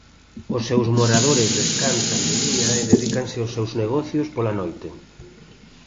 Os seus moradores descansan de día e dedícanse aos seus negocios pola noite.